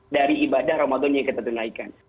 dari ibadah ramadan yang kita tunaikan